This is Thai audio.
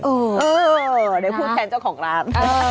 เออเดี๋ยวพูดแทนเจ้าของร้าน